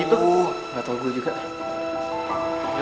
gitu bu nggak tahu gue juga